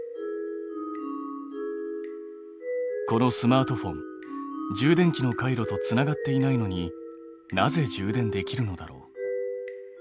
このスマートフォン充電器の回路とつながっていないのになぜ充電できるのだろう？